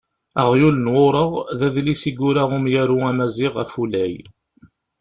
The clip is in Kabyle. "Aɣyul n wuṛeɣ" d adlis i yura umyaru amaziɣ Afulay.